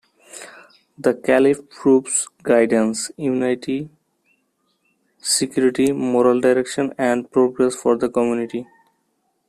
The caliph provides guidance, unity, security, moral direction and progress for the community.